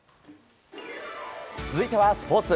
続いてはスポーツ。